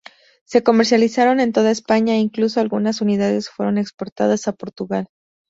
Se comercializaron en toda España e incluso algunas unidades fueron exportadas a Portugal.